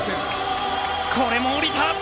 これも下りた。